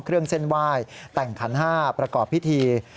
เครื่องเส้นไหว้แต่งขัน๕ประกอบพิธี